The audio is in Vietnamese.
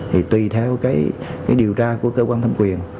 thì tùy theo cái điều tra của cơ quan thẩm quyền